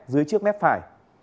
dưới trước mép phải